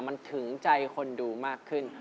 มันถึงใจคนดูมากขึ้น